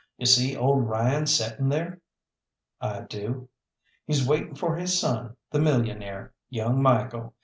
You see old Ryan settin' there?" "I do." "He's waiting for his son, the millionaire, young Michael.